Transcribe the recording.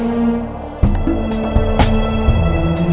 sedikit selalu sudah keberlanjutan